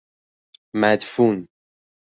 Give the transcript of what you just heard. مدفون